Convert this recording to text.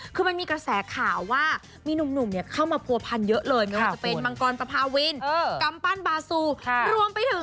คือมันมีกระแสข่าวว่ามีหนุ่มเนี่ยเข้ามาพัวพันธุ์เยอะเลยมันจะเป็นมังกรปะพาวินกำปั้นบาซู